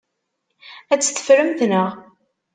Ad tt-teffremt, naɣ?